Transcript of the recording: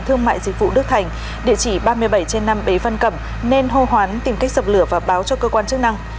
thương mại dịch vụ đức thành địa chỉ ba mươi bảy trên năm bế văn cẩm nên hô hoán tìm cách dập lửa và báo cho cơ quan chức năng